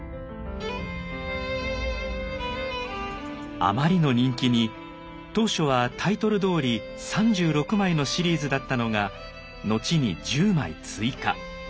あまりの人気に当初はタイトルどおり３６枚のシリーズだったのが後に１０枚追加。